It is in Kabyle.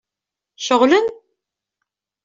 Ceɣlen?